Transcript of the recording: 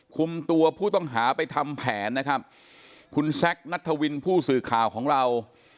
คุมตัวผู้ต้องหาไปทำแผนนะครับคุณแซคนัทวินผู้สื่อข่าวของเรา